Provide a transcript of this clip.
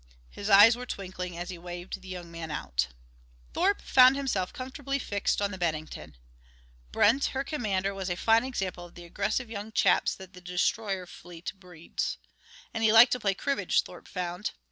His eyes were twinkling as he waved the young man out. Thorpe found himself comfortably fixed on the Bennington. Brent, her commander, was a fine example of the aggressive young chaps that the destroyer fleet breeds. And he liked to play cribbage, Thorpe found.